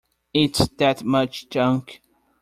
It's that much junk.